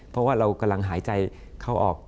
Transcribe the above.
เพราะว่าเรากำลังหายใจเข้าออก